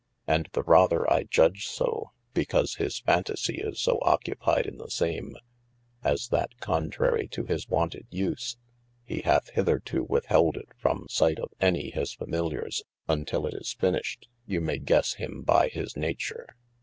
And the rather I judge so because his fantasie is so occupied in the same, as that contrary to his wonted use, he hath hitherto withhelde it from sight of any his familiers, untill it be finished, you may gesse him by his Nature.